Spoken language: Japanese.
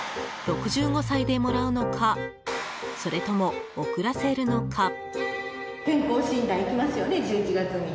６５歳でもらうのかそれとも、遅らせるのか。